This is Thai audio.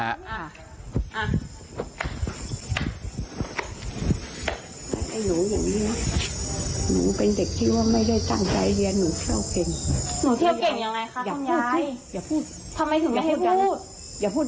อ่าอ่าอ่าอ่าอ่ามันต้องเชื่อด่าเยอะฮะอ่า